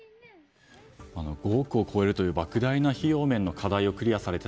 ５億を超えるという莫大な費用面の課題をクリアされて。